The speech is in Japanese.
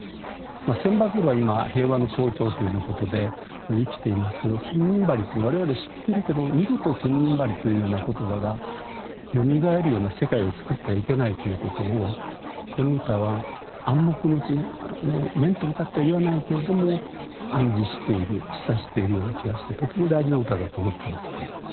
「千羽鶴」は今平和の象徴というようなことで生きていますけど「千人針」というのは我々知ってるけど二度と「千人針」というような言葉がよみがえるような世界を作ってはいけないということをこの歌は暗黙のうちに面と向かっては言わないけれども暗示している示唆しているような気がしてとても大事な歌だと思ってますね。